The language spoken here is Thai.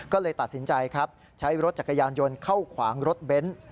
ก็เลยตัดสินใจครับใช้รถจักรยานยนต์เข้าขวางรถเบนส์